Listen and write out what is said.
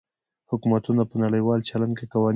حکومتونه په نړیوال چلند کې قوانین پلي کوي